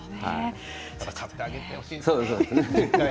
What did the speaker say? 分かってあげてほしいですね。